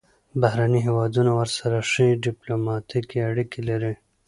بهرني هیوادونه ورسره ښې ډیپلوماتیکې اړیکې لري.